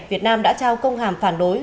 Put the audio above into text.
việt nam đã trao công hàm phản đối